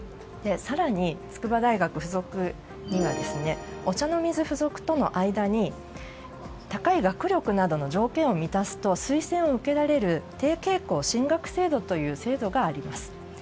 更に、筑波大学附属にはお茶の水附属との間に高い学力などの条件を満たすと推薦を受けられる提携校進学制度という制度があります。